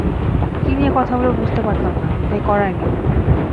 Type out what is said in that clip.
কী নিয়ে কথা বলব, বুঝতে পারতাম না, তাই করাইনি।